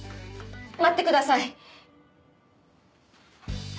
待ってください。